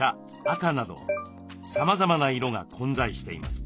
赤などさまざまな色が混在しています。